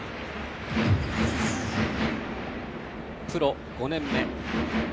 プロ５年目。